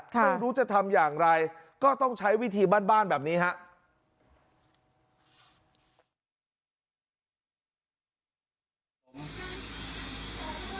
ไม่รู้จะทำอย่างไรก็ต้องใช้วิธีบ้านแบบนี้ครับ